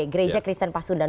gereja kristen pasundan